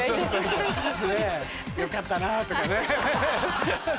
「よかったな！」とかね。